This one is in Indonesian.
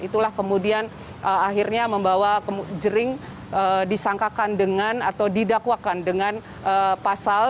itulah kemudian akhirnya membawa jering disangkakan dengan atau didakwakan dengan pasal